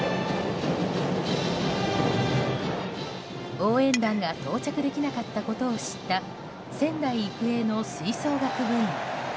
応援団が到着できなかったことを知った仙台育英の吹奏楽部員。